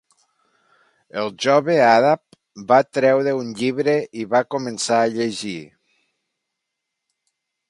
El jove àrab va treure un llibre i va començar a llegir.